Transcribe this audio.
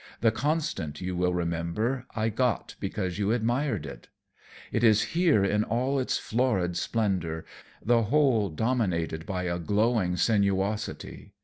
The Constant, you will remember, I got because you admired it. It is here in all its florid splendor, the whole dominated by a glowing sensuosity.